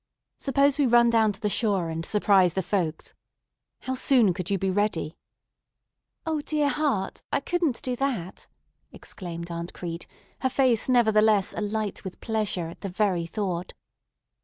Suppose we run down to the shore and surprise the folks. How soon could you be ready?" "O dear heart! I couldn't do that!" exclaimed Aunt Crete, her face nevertheless alight with pleasure at the very thought.